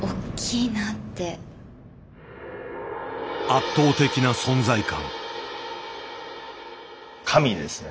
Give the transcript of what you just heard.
圧倒的な存在感。